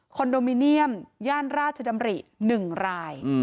โดมิเนียมย่านราชดำริ๑ราย